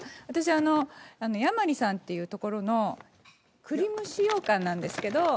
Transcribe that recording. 私あの「やまり」さんっていうところの栗蒸しようかんなんですけど。